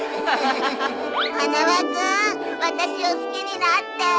花輪君私を好きになって！